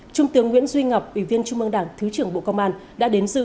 trung tướng nguyễn duy ngọc ủy viên trung mương đảng thứ trưởng bộ công an